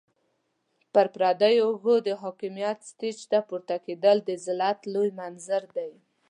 پر پردو اوږو د حاکميت سټېج ته پورته کېدل د ذلت لوی منظر دی.